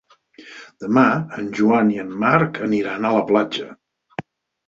Demà en Joan i en Marc aniran a la platja.